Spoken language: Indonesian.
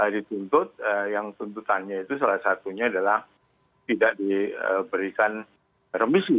dituntut yang tuntutannya itu salah satunya adalah tidak diberikan remisi